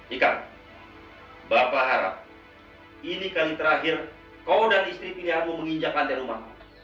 ika bapak harap ini kali terakhir kau dan istri pilihanku menginjak lantai rumahmu